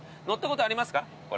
乗ったことありますか？